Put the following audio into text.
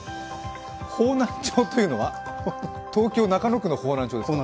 方南町というのは、東京・中野区の方南町ですか？